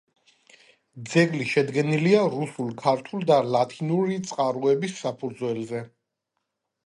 ძეგლი შედგენილია რუსულ, ქართულ და ლათინური წყაროების საფუძველზე.